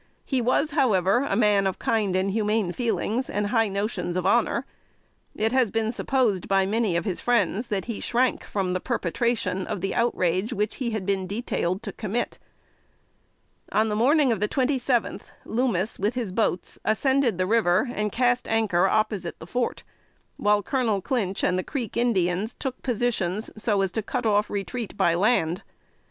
He was, however, a man of kind and humane feelings, and high notions of honor. It has been supposed by many of his friends, that he shrank from the perpetration of the outrage which he had been detailed to commit. On the morning of the twenty seventh, Loomis, with his boats, ascended the river and cast anchor opposite the fort, while Colonel Clinch and the Creek Indians took positions so as to cut off retreat by land.